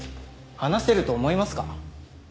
話せると思いますか？